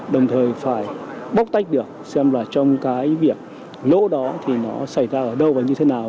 đồng thời phải bóc tách được xem là trong cái việc lỗ đó thì nó xảy ra ở đâu và như thế nào